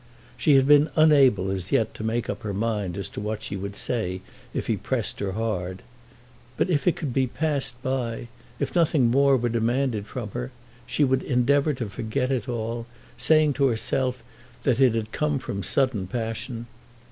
She had been unable as yet to make up her mind as to what she would say if he pressed her hard. But if it could be passed by, if nothing more were demanded from her, she would endeavour to forget it all, saying to herself that it had come from sudden passion.